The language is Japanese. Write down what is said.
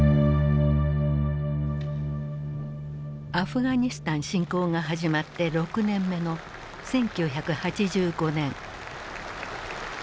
アフガニスタン侵攻が始まって６年目の１９８５年。